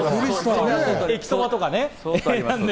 駅そばとかね。